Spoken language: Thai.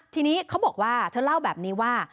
ทีนี้เขาบอกว่าเธอเล่าแบบนี้ว่า